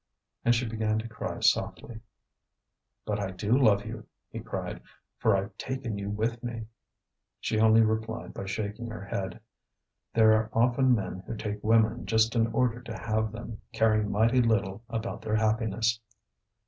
And she began to cry softly. "But I do love you," he cried, "for I've taken you with me." She only replied by shaking her head. There are often men who take women just in order to have them, caring mighty little about their happiness.